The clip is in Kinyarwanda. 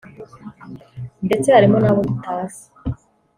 ndetse harimo n’abo tutazi